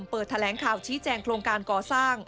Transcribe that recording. เปิดแถลงข่าวชี้แจงโครงการก่อสร้าง